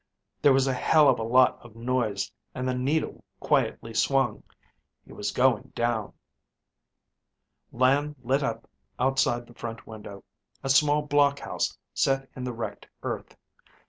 There was a hell of a lot of noise and the needle quietly swung.... He was going down! Land lit up outside the front window; a small block house set in the wrecked earth.